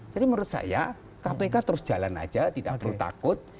jadi menurut saya kpk terus jalan aja tidak perlu takut